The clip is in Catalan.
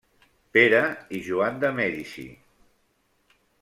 Pere i Joan de Mèdici.